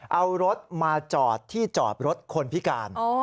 เอารถมาจอดที่จอดรถคนพิการ